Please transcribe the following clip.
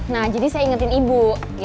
nah jadi saya ingetin ibu